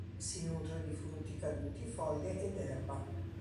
Si nutre di frutti caduti, foglie ed erba.